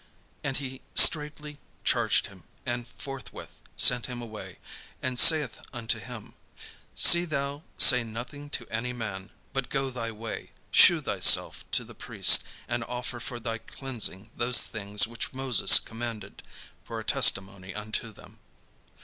And he straitly charged him, and forthwith sent him away; and saith unto him, "See thou say nothing to any man: but go thy way, shew thyself to the priest, and offer for thy cleansing those things which Moses commanded, for a testimony unto them."